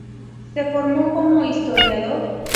Se formó como historiador.